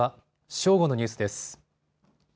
正午のニュースです。